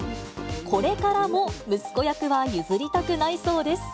これからも息子役は譲りたくないそうです。